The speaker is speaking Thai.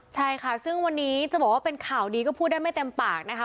ใช่ค่ะซึ่งวันนี้จะบอกว่าเป็นข่าวดีก็พูดได้ไม่เต็มปากนะคะ